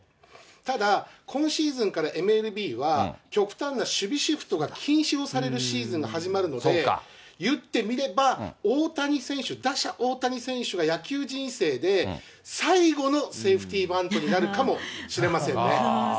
ただ、今シーズンからＭＬＢは、極端な守備シフトが禁止をされるシーズンが始まるので、言ってみれば、大谷選手、打者、大谷選手が野球人生で最後のセーフティーバントになるかもしれませんね。